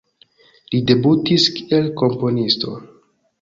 Li debutis kiel komponisto.